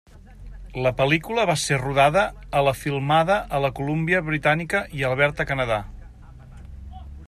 La pel·lícula va ser rodada a la filmada a la Columbia britànica i Alberta, Canadà.